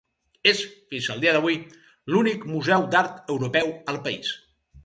És, fins al dia d'avui, l'únic museu d'art europeu al país.